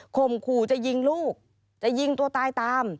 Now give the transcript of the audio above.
มขู่จะยิงลูกจะยิงตัวตายตาม